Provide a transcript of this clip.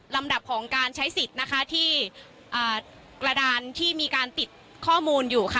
ลำดับของการใช้สิทธิ์นะคะที่กระดานที่มีการติดข้อมูลอยู่ค่ะ